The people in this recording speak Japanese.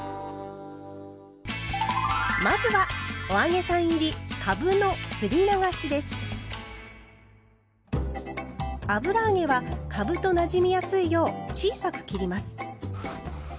まずは油揚げはかぶとなじみやすいよう小さく切ります。